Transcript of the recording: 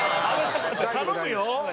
頼むよ！